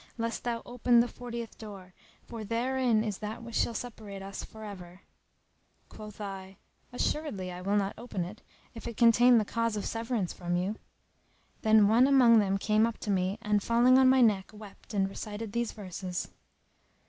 lest thou open the fortieth door, for therein is that which shall separate us for ever."[FN#292] Quoth I, "Assuredly I will not open it, if it contain the cause of severance from you." Then one among them came up to me and falling on my neck wept and recited these verses.